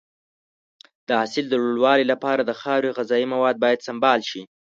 د حاصل د لوړوالي لپاره د خاورې غذایي مواد باید سمبال شي.